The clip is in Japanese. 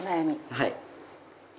はい。